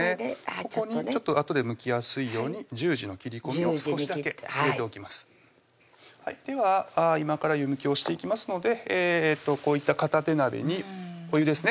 ここにあとでむきやすいように十字の切り込みを少しだけ入れておきますでは今から湯むきをしていきますのでこういった片手鍋にお湯ですね